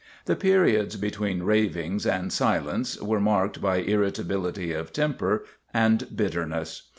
The periods between ravings and silence were marked by irritability of temper and bitterness.